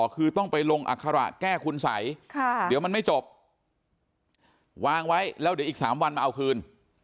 คือต้องไปลงอัคระแก้คุณสัยเดี๋ยวมันไม่จบวางไว้แล้วเดี๋ยวอีก๓วันมาเอาคืน